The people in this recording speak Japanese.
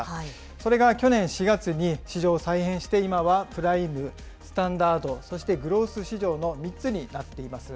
それが去年４月に、市場を再編して、今はプライム、スタンダード、そしてグロース市場の３つになっています。